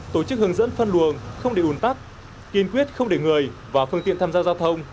tổ chức hướng dẫn phân luồng không để ủn tắc kiên quyết không để người và phương tiện tham gia giao thông